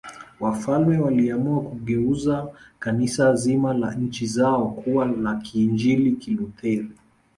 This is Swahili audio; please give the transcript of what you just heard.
Wafalme waliamua kugeuza Kanisa zima la nchi zao kuwa la Kiinjili Kilutheri